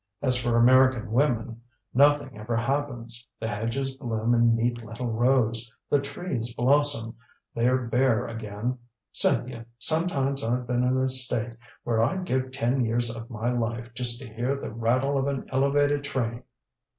As for American women nothing ever happens the hedges bloom in neat little rows the trees blossom they're bare again Cynthia, sometimes I've been in a state where I'd give ten years of my life just to hear the rattle of an elevated train!"